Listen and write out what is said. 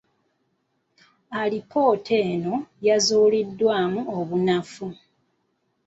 Alipoota eno yazuulibwamu obunafu.